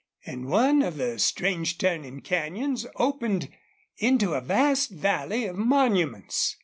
And one of the strange turning canyons opened into a vast valley of monuments.